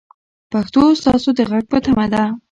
پښتو ستاسو د غږ په تمه ده.